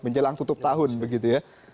menjelang tutup tahun begitu ya